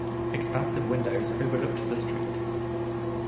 Expansive windows overlooked the street.